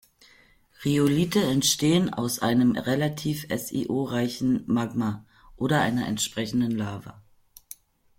Rhyolithe entstehen aus einem relativ SiO-reichen Magma oder einer entsprechenden Lava.